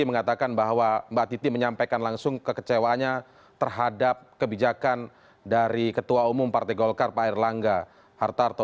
mengatakan bahwa mbak titi menyampaikan langsung kekecewaannya terhadap kebijakan dari ketua umum partai golkar pak erlangga hartarto